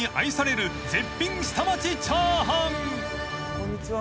こんにちは。